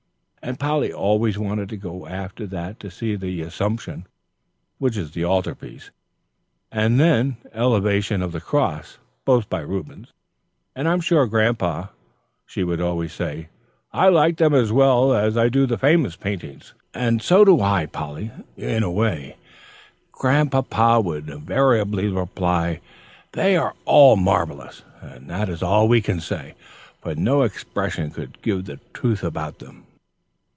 And Polly always wanted to go after that to see the "Assumption," which is the altar piece, and then the "Elevation of the Cross," both by Rubens. "And I am sure, Grandpapa," she would always say, "I like them as well as I do the famous painting." "And so do I, Polly, in a way," Grandpapa would invariably reply. "They are all marvellous, and that is all we can say, for no expressions could give the truth about them."